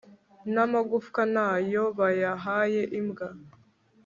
n'amagufwa nayo bayahaye imbwa